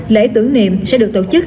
lễ tưởng niệm sẽ được tổ chức